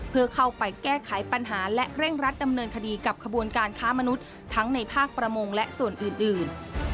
เพื่อเข้าไปแก้ไขปัญหาและเร่งรัดดำเนินคดีกับขบวนการค้ามนุษย์ทั้งในภาคประมงและส่วนอื่น